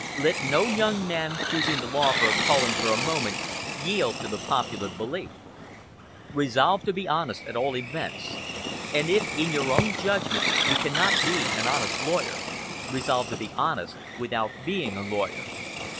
Let no young man choosing the law for a calling for a moment yield to the popular belief. Resolve to be honest at all events; and if, in your own judgment, you cannot be an honest lawyer, resolve to be honest without being a lawyer.